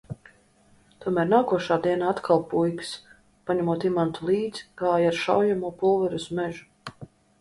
Tomēr nākošā dienā atkal puikas, paņemot Imantu līdzi, gāja ar šaujamo pulveri uz mežu.